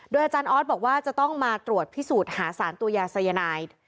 อาจารย์ออสบอกว่าจะต้องมาตรวจพิสูจน์หาสารตัวยาสายนาย